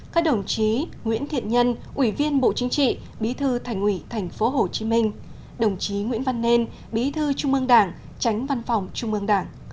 các đồng chí nguyễn thiện nhân ủy viên bộ chính trị bí thư thành ủy tp hcm đồng chí nguyễn văn nên bí thư trung ương đảng tránh văn phòng trung ương đảng